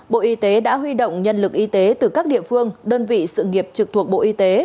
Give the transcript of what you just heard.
bộ y tế đã huy động nhân lực y tế từ các địa phương đơn vị sự nghiệp trực thuộc bộ y tế